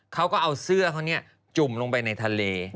เขาก็เอาเสื้อเขาจุ่มลงไปในทะเล